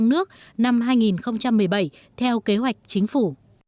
nước năm hai nghìn một mươi bảy theo kế hoạch chính phủ